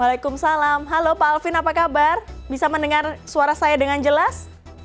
waalaikumsalam halo pak alvin apa kabar bisa mendengar suara saya dengan jelas